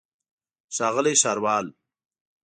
ښاغلی ښاروال.